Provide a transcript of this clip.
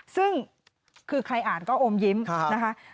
ซึ่งคือใครอ่านก็อมยิ้มนะคะ